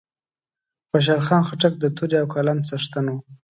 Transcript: خوشحال خان خټک د تورې او قلم څښتن وو